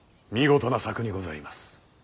見事な策にございます。